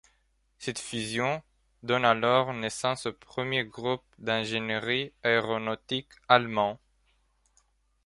Cette fusion donne alors naissance au premier groupe d'ingénierie aéronautique allemand.